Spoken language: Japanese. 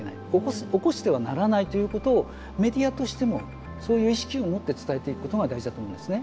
起こしてはならないということをメディアとしてもそういう意識を持って伝えていくことが大事だと思うんですね。